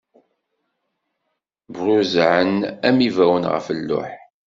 Bruzzɛen am ibawen ɣef lluḥ.